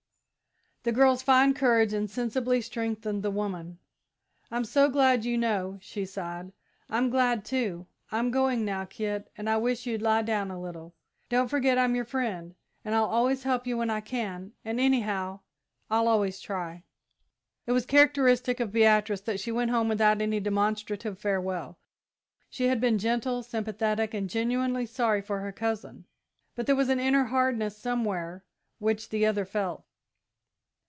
The girl's fine courage insensibly strengthened the woman. "I'm so glad you know," she sighed. "I'm glad, too. I'm going now, Kit, and I wish you'd lie down a little while. Don't forget I'm your friend, and I'll always help you when I can, and anyhow, I'll always try." It was characteristic of Beatrice that she went home without any demonstrative farewell. She had been gentle, sympathetic, and genuinely sorry for her cousin, but there was an inner hardness somewhere which the other felt.